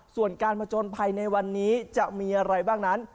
ส่วนการผจญภัยในวันนี้จะมีอะไรบ้างนั้น